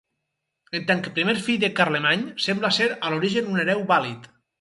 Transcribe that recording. En tant que primer fill de Carlemany, sembla ser a l'origen un hereu vàlid.